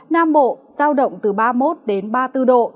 nam bộ giao động từ ba mươi một đến ba mươi bốn độ